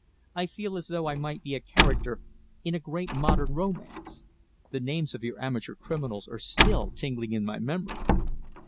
I feel as though I might be a character in a great modern romance. The names of your amateur criminals are still tingling in my memory."